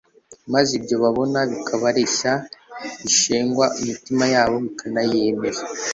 maze ibyo babona bikabareshya bishengwa imitima yabo bikanayemeza.